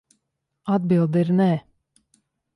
Atbilde ir nē.